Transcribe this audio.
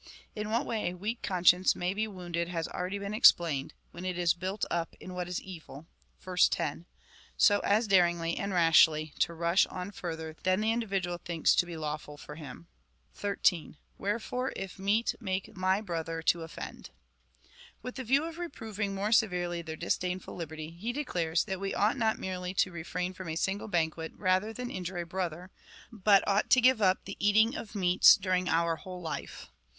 In what way a weak conscience may be wounded has been already explained — when it is built up in what is evil (verse 10) so as daringly and rashly to rush on farther than the individual thinks to be lawful for him. 13. Wherefore if meat make my brother to offend. With the view of reproving more severely their disdainful liberty, he declares, that we ought not merely to refrain from a single banquet rather than injure a brother, but ought to give up the eating of meats during our whole life.